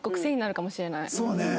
そうね。